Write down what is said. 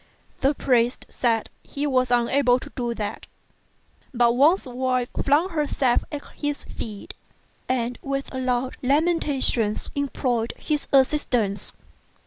The priest said he was unable to do that ; but Wang's wife flung herself at his feet, and with loud lamentations implored his assistance.